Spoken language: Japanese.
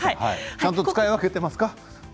ちゃんと使い分けていますか？